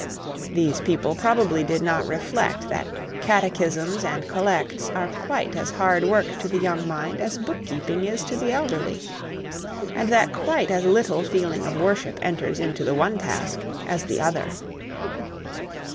(These people probably did not reflect that catechisms and collects are quite hard work to the young mind as book keeping is to the elderly; and that quite as little feeling of worship enters into one task as the other.)